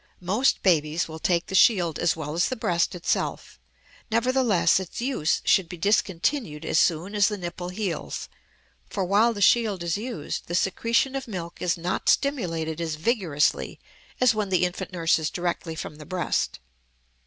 Most babies will take the shield as well as the breast itself; nevertheless, its use should be discontinued as soon as the nipple heals, for while the shield is used the secretion of milk is not stimulated as vigorously as when the infant nurses directly from the breast.